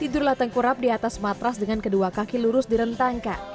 tidurlah tengkurap di atas matras dengan kedua kaki lurus di rentangkan